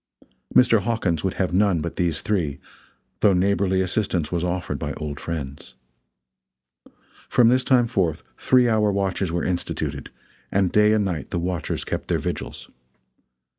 Mr. Hawkins would have none but these three, though neighborly assistance was offered by old friends. From this time forth three hour watches were instituted, and day and night the watchers kept their vigils.